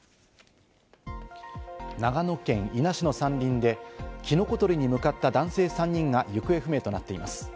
長野県伊那市の山林でキノコ採りに向かった男性３人が行方不明となっています。